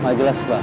malah jelas banget